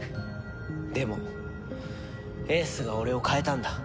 でも英寿が俺を変えたんだ。